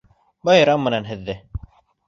Байрам менән һеҙҙе!